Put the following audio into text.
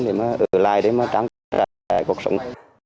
để mà ở lại để mà trang trại cuộc sống